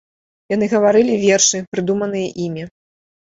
Яны гаварылі вершы, прыдуманыя імі.